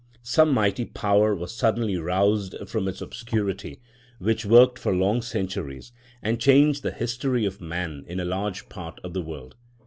Some mighty power was suddenly roused from its obscurity, which worked for long centuries and changed the history of man in a large part of the world.